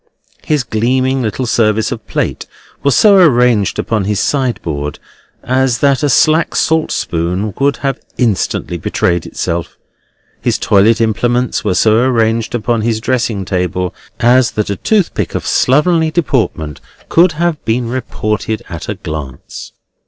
His gleaming little service of plate was so arranged upon his sideboard as that a slack salt spoon would have instantly betrayed itself; his toilet implements were so arranged upon his dressing table as that a toothpick of slovenly deportment could have been reported at a glance.